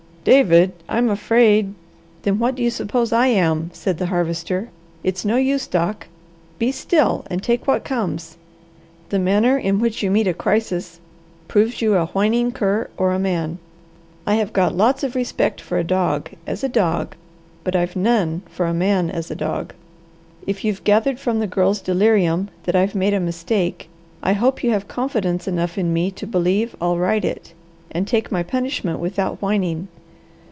"David, I'm afraid " "Then what do you suppose I am?" said the Harvester. "It's no use, Doc. Be still and take what comes! The manner in which you meet a crisis proves you a whining cur or a man. I have got lots of respect for a dog, as a dog; but I've none for a man as a dog. If you've gathered from the Girl's delirium that I've made a mistake, I hope you have confidence enough in me to believe I'll right it, and take my punishment without whining.